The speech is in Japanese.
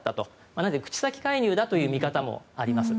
なので、口先介入だという見方もあります。